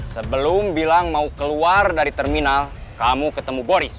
sebelum bilang mau keluar dari terminal kamu ketemu boris